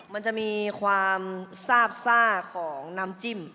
มันจะมีความซาบซ่าของน้ำจิ้ม